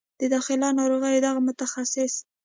د داخله ناروغیو دغه متخصص